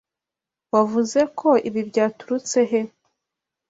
Wavuze ko ibi byaturutse he?